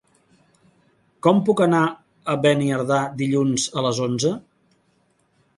Com puc anar a Beniardà dilluns a les onze?